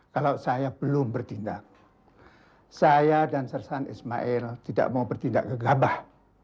kalau saya belum bertindak saya dan sersan ismail tidak mau bertindak gegabah